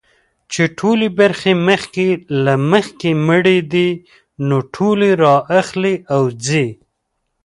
چي ټولي برخي مخکي له مخکي مړې دي نو ټولي را اخلي او ځي.